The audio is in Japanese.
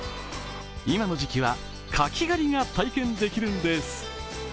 今の時期は柿狩りが体験できるんです。